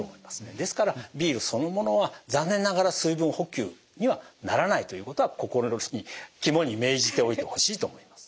ですからビールそのものは残念ながら水分補給にはならないということは心に肝に銘じておいてほしいと思います。